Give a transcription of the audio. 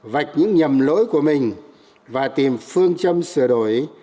vạch những nhầm lỗi của mình và tìm phương châm sửa đổi